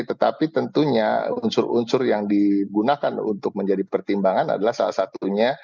tetapi tentunya unsur unsur yang digunakan untuk menjadi pertimbangan adalah salah satunya